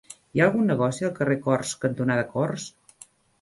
Hi ha algun negoci al carrer Corts cantonada Corts?